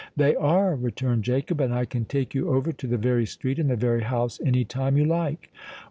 "They are," returned Jacob; "and I can take you over to the very street and the very house any time you like."